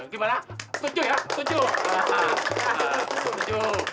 gimana setuju ya setuju